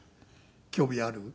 興味ある？